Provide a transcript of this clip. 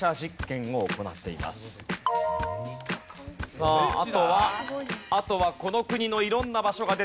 さああとはあとはこの国の色んな場所が出てきますよ。